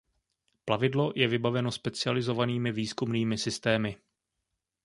Plavidlo je vybaveno specializovanými výzkumnými systémy.